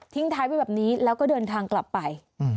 ท้ายไว้แบบนี้แล้วก็เดินทางกลับไป